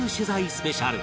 スペシャル